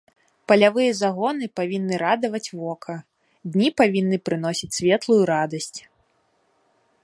Палявыя загоны павінны радаваць вока, дні павінны прыносіць светлую радасць.